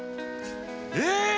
え！